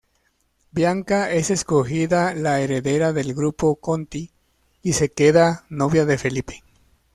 Bianca es escogida la heredera del Grupo Conti y se queda novia de Felipe.